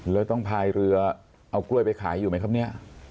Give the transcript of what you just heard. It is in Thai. แล้วต้องพายเรือเอากล้วยไปขายอยู่ไหมครับเนี่ย